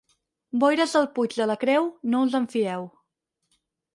Boires del Puig de la Creu, no us en fieu.